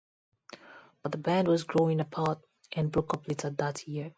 But the band was growing apart, and broke up later that year.